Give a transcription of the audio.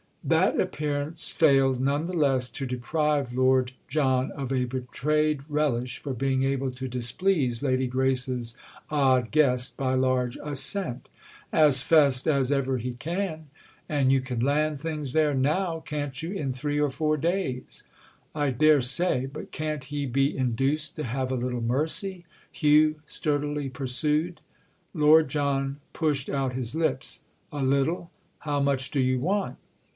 That appearance failed none the less to deprive Lord John of a betrayed relish for being able to displease Lady Grace's odd guest by large assent. "As fast as ever he can—and you can land things there now, can't you? in three or four days." "I dare say. But can't he be induced to have a little mercy?" Hugh sturdily pursued. Lord John pushed out his lips. "A 'little'? How much do you want?"